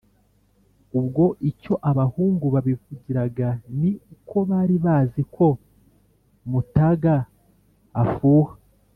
ubwo icyo abahungu babivugiraga ni uko bari bazi ko mutaga afuha,